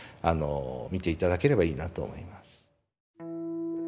見て頂ければいいなと思います。